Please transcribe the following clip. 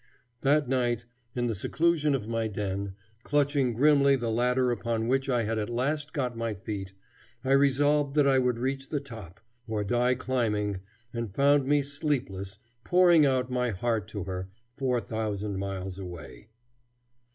That night, in the seclusion of my den, clutching grimly the ladder upon which I had at last got my feet, I resolved that I would reach the top, or die climbing and found me sleepless, pouring out my heart to her, four thousand miles away.